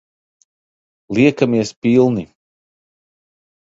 Liekamies pilni.